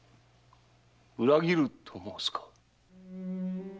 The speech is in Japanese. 裏切ると申すか？